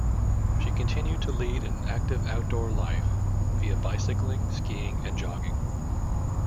She continued to lead an active outdoor life via bicycling, skiing, and jogging.